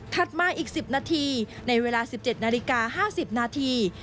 มาอีก๑๐นาทีในเวลา๑๗นาฬิกา๕๐นาที